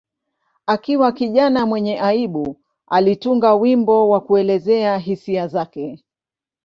Akiwa kijana mwenye aibu, alitunga wimbo wa kuelezea hisia zake.